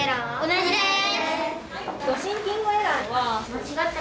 同じです！